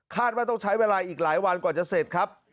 ว่าต้องใช้เวลาอีกหลายวันกว่าจะเสร็จครับ